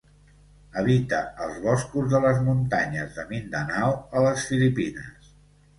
Habita els boscos de les muntanyes de Mindanao, a les Filipines.